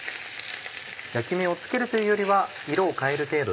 焼き目をつけるというよりは色を変える程度で。